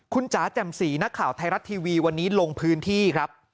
คุณจ๋าแจ่มสีนักข่าวไทยรัฐทีวีวันนี้ลงพื้นที่ครับ